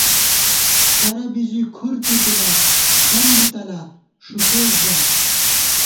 کر بی ژی کھُر چِپِلات دم بی تلات ݭُکوئیس ژات